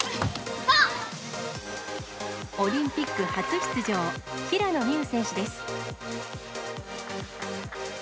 オリンピック初出場、平野美宇選手です。